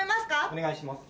お願いします。